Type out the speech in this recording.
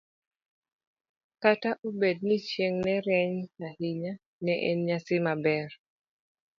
Kata obedo ni chieng' ne rieny ahinya, ne en nyasi maber.